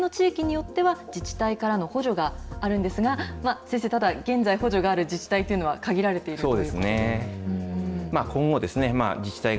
ただ、お住まいの地域によっては、自治体からの補助があるんですが、先生、ただ、現在、補助がある自治体というのは、限られているとそうですね。